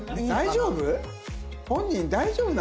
大丈夫？